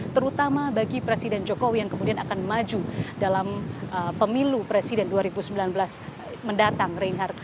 terutama bagi presiden jokowi yang kemudian akan maju dalam pemilu presiden dua ribu sembilan belas mendatang reinhardt